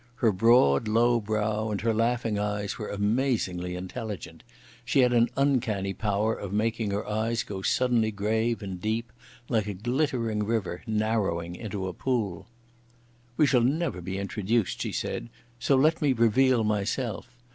Her broad, low brow and her laughing eyes were amazingly intelligent. She had an uncanny power of making her eyes go suddenly grave and deep, like a glittering river narrowing into a pool. "We shall never be introduced," she said, "so let me reveal myself.